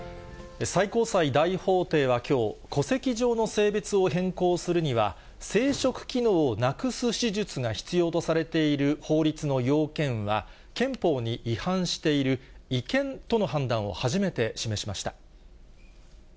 最高裁大法廷はきょう、戸籍上の性別を変更するには、生殖機能をなくす手術が必要とされている法律の要件は、憲法に違反している違憲との判断を初めて示しました。